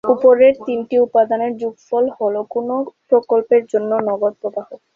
উপরের তিনটি উপাদানের যোগফল হ'ল কোনও প্রকল্পের জন্য নগদ প্রবাহ।